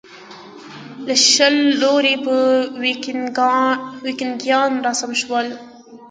له شل لوري به ویکینګیان راسم شول.